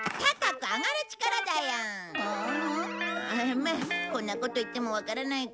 まあこんなこと言ってもわからないか。